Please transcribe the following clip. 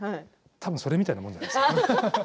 たぶんそれみたいなもんじゃないですか。